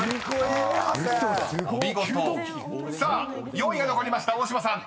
［４位が残りました大島さん］